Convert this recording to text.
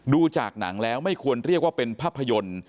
ดูจากหนังแล้วไม่ควรเรียกว่าเป็นภาพยนตร์